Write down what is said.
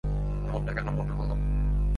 এমনটা কেন মন হলো?